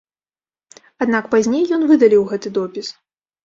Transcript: Аднак пазней ён выдаліў гэты допіс.